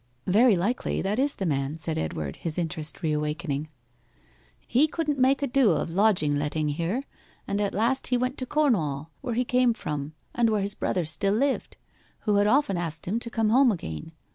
'Very likely that is the man,' said Edward, his interest reawakening. 'He couldn't make a do of lodging letting here, and at last he went to Cornwall, where he came from, and where his brother still lived, who had often asked him to come home again.